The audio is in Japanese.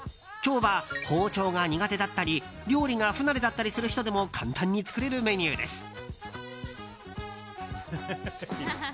今日は包丁が苦手だったり料理が不慣れな人でも簡単に作れるメニューです。